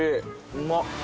うまっ。